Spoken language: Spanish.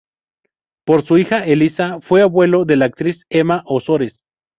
Por su hija Elisa fue abuelo de la actriz Emma Ozores.